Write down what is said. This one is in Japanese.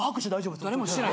誰もしてない。